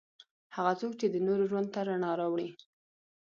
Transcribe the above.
هغه څوک چې د نورو ژوند ته رڼا راوړي.